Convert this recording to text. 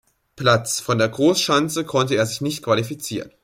Platz, von der Großschanze konnte er sich nicht qualifizieren.